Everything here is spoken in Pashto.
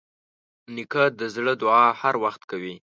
نیکه د زړه دعا هر وخت کوي.